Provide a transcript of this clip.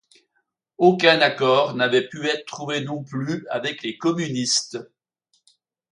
Aucun accord n'avait pu être trouvé non plus avec les communistes.